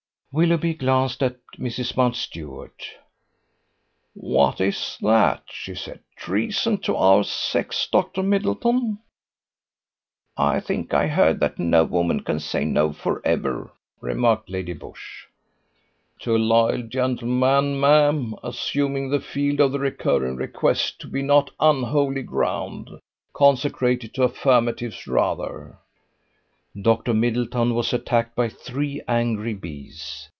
Willoughby glanced at Mrs. Mountstuart. "What is that?" she said. "Treason to our sex, Dr. Middleton?" "I think I heard that no woman can say No forever!" remarked Lady Busshe. "To a loyal gentleman, ma'am: assuming the field of the recurring request to be not unholy ground; consecrated to affirmatives rather." Dr Middleton was attacked by three angry bees.